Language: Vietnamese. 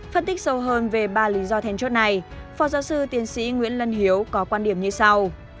phân tích sâu hơn về ba lý do thèn chốt này phó giáo sư tiến sĩ nguyễn lân hiếu có quan điểm như sau